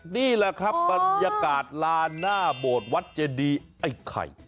นี่แหละครับบรรยากาศลานหน้าโบสถ์วัดเจดีไอ้ไข่